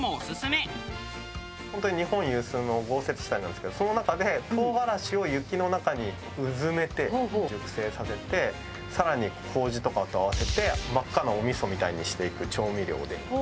本当に日本有数の豪雪地帯なんですけどその中で唐辛子を雪の中にうずめて熟成させて更に麹とかと合わせて真っ赤なお味噌みたいにしていく調味料で。